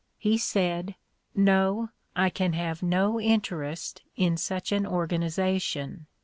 He said, "No, I can have no interest in such an organization.